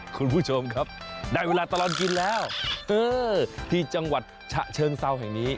คุณผู้ชมครับได้เวลาตลอดกินแล้วที่จังหวัดฉะเชิงเซาแห่งนี้